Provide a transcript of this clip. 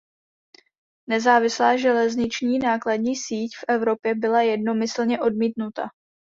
Nezávislá železniční nákladní síť v Evropě byla jednomyslně odmítnuta.